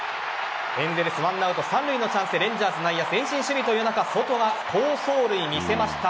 エンゼルス１アウト三塁のチャンスでレンジャーズ内野、前進守備という中ソトが見せました。